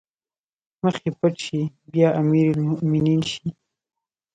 مخ يې پټ شي بيا امرالمومنين شي